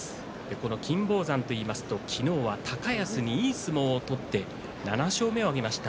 この金峰山でいいますと昨日は高安にいい相撲を取って７勝目を挙げました。